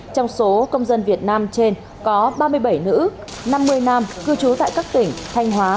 trong số công dân việt nam trên có ba mươi bảy nữ năm mươi nam cư trú tại các tỉnh thanh hóa